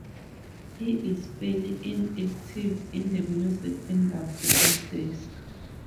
He is fairly inactive in the music industry these days.